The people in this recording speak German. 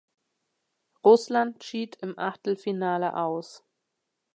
Russland schied im Achtelfinale aus.